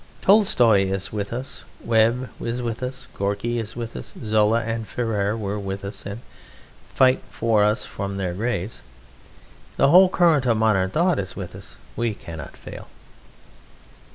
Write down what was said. Tolstoy is with us, Webb is with us, Gorky is with us, Zola and Ferrer were with us and fight for us from their graves. The whole current of modern thought is with us. WE CANNOT FAIL!